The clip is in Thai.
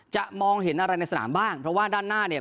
มองเห็นอะไรในสนามบ้างเพราะว่าด้านหน้าเนี่ย